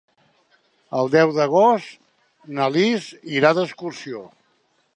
El deu d'agost na Lis irà d'excursió.